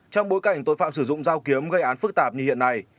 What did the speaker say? trong bối cảnh tội phạm sử dụng dao kiếm gây án phức tạp như hiện nay